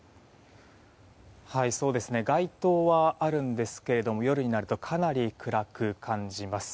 街灯はあるんですけれども夜になるとかなり暗く感じます。